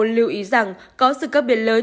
lưu ý rằng có sự cấp biệt lớn